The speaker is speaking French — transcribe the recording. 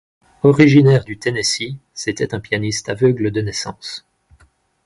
Originaire du Tennessee, c'était un pianiste aveugle de naissance.